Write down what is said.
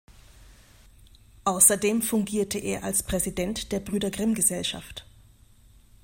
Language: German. Außerdem fungierte er als Präsident der Brüder Grimm-Gesellschaft.